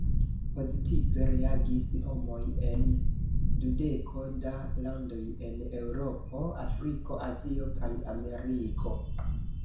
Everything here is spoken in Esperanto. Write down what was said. Pozitive reagis homoj en dudeko da landoj en Eŭropo, Afriko, Azio kaj Ameriko.